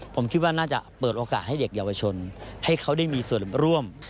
ผมคิดว่าน่าจะเปิดโอกาสให้เด็กเยาวชนให้เขาได้มีส่วนร่วม